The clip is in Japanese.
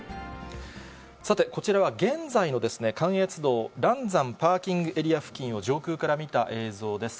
さてこちらは現在の関越道嵐山パーキングエリア付近を上空から見た映像です。